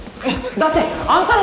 だってあんたら。